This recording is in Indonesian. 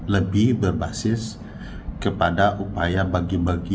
lebih berbasis kepada upaya bagi bagi